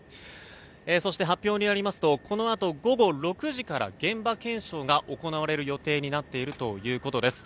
そして発表によりますとこのあと午後６時から現場検証が行われる予定になっているということです。